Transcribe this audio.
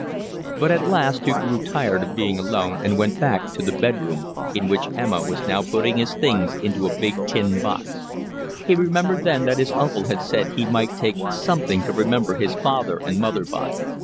But at last he grew tired of being alone and went back to the bed room, in which Emma was now putting his things into a big tin box; he remembered then that his uncle had said he might take something to remember his father and mother by.